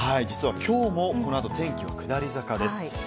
実はきょうも、このあと天気は下り坂です。